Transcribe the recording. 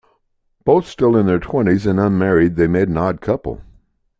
Both still in their twenties, and unmarried, they made an odd couple.